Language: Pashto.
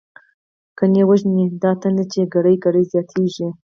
گڼی وژنی می دا تنده، چی گړی گړی زیاتتیږی